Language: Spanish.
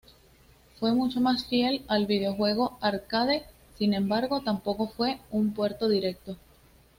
Fue mucho más fiel al videojuego arcade; sin embargo, tampoco fue un puerto directo.